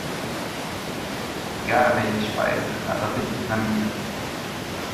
Egal welche Speise, aber bitte flambiert!